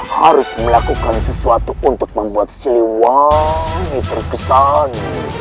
harus melakukan sesuatu untuk membuat siliwangi terkesan